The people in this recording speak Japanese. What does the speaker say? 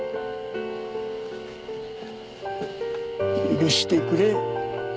許してくれ。